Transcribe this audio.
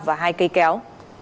và hai cây kéo